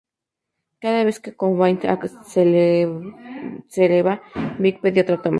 Cada vez que Cobain aceleraba, Vig pedía otra toma.